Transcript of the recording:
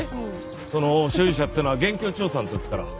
その所有者ってのは現況調査の時から。